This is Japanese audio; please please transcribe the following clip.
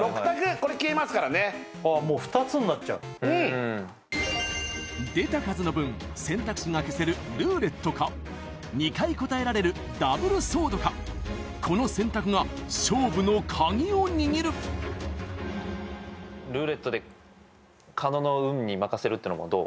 これ消えますからねもう２つになっちゃううん出た数の分選択肢が消せるルーレットか２回答えられるダブルソードかこの選択が勝負の鍵を握るルーレットで加納の運に任せるっていうのどう？